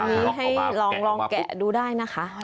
อันนี้ให้ลองแกะดูได้นะคะ